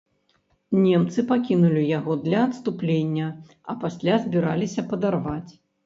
Немцы пакінулі яго для адступлення, а пасля збіраліся падарваць.